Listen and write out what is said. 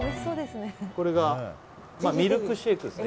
これがミルクシェイクですね